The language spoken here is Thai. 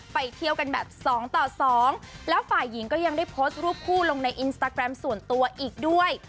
ไปเที่ยวกันแบบสองต่อสองแล้วฝ่ายหญิงก็ยังได้โพสต์รูปคู่ลงในอินสตาแกรมส่วนตัวอีกด้วย